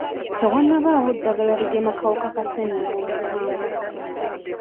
Tewannabaawo ddagala ligema kawuka ka ssennyiga omukambwe.